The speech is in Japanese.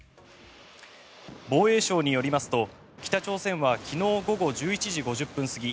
防衛省によりますと、北朝鮮は昨日午後１１時５０分過ぎ